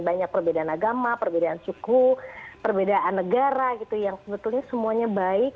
banyak perbedaan agama perbedaan suku perbedaan negara gitu yang sebetulnya semuanya baik